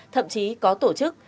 thậm chí có tổ chức